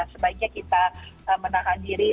sebaiknya kita menahan diri